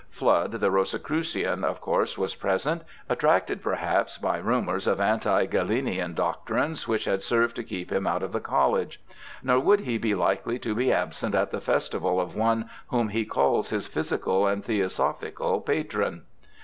Fludd, the Rosicrucian, of course, was present; attracted, perhaps, by rumours of anti Galenian doctrines which had served to keep him out of the College ; nor would he be likely to be absent at the festival of one whom he calls his ' physicall and theosophicall patron